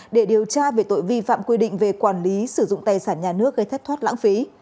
để điều tra về tội vi phạm quy định về quản lý sử dụng tài sản nhà nước gây thất thoát lãng phí